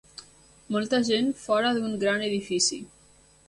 Molta gent fora d'un gran edifici.